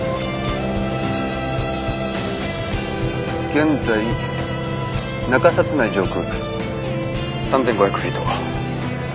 現在中札内上空３，５００フィート。